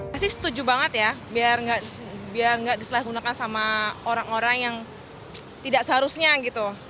saya setuju banget ya biar tidak disalahgunakan oleh orang orang yang tidak seharusnya gitu